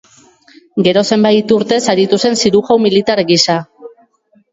Gero zenbait urtez aritu zen zirujau militar gisa.